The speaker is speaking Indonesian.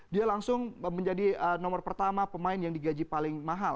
dia langsung menjadi nomor pertama pemain yang digaji paling mahal